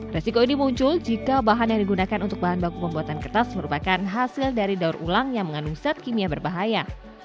resiko ini muncul jika bahan yang digunakan untuk bahan baku pembuatan kertas merupakan hasil dari daur ulang yang mengandung zat kimia berbahaya